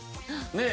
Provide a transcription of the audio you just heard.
ねえ？